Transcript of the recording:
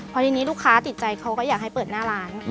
พอทีนี้ลูกค้าติดใจเขาก็อยากให้เปิดหน้าร้าน